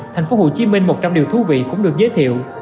tp hcm một trăm linh điều thú vị cũng được giới thiệu